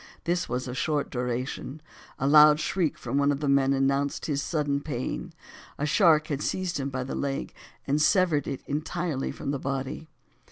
This was of short duration, a loud shriek from one of the men announced his sudden pain; a shark had seized him by the leg, and severed it entirely from the body.